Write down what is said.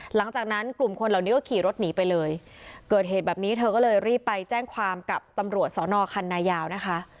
หลังจากนั้นกลุ่มคนเหล่านี้ก็ขี่รถหนีไปเลยเกิดเหตุแบบนี้เธอก็เลยรีบไปแจ้งความกับตำรวจสอนอคันนายาวนะคะ